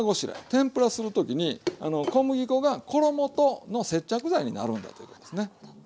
天ぷらする時に小麦粉が衣との接着剤になるんだということですね。